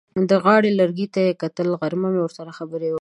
د غاړې لرګي ته یې کتل: غرمه مې ورسره خبرې وکړې.